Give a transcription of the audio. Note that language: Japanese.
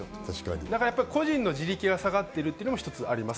だから個人の自力が下がっているというのも一つあります。